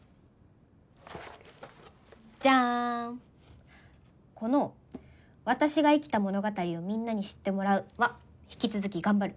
じゃんこの「私が生きた物語をみんなに知ってもらう」は引き続き頑張る。